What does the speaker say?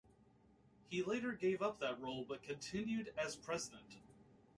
He later gave up that role but continued as President.